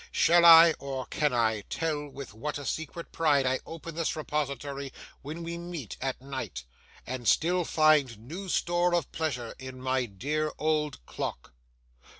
Shall I, or can I, tell with what a secret pride I open this repository when we meet at night, and still find new store of pleasure in my dear old Clock?